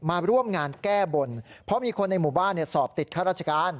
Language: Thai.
มาร่วมงานแก้บนเพราะมีคนในหมู่บ้านสอบติดข้าราชการ